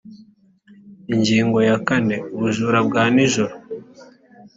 ingingo ya kane ubujura bwa nijoro